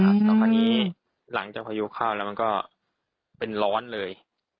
ตอนนี้หลังจากพยุเข้าแล้วมันก็เป็นร้อนเลย